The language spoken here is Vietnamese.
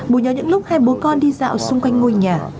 bùi nhớ những lúc hai bố con đi dạo xung quanh ngôi nhà